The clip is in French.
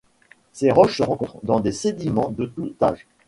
Ces roches se rencontrent dans des sédiments de tout âge.